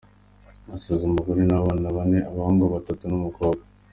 Asize umugore n’abana bane, abahungu batatu n’umukobwa.